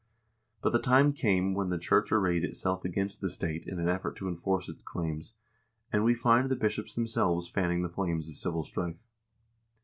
But the time came when the church arrayed itself against the state in an effort to enforce its claims, and we find the bishops themselves fanning the flames of civil strife.